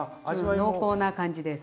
濃厚な感じです。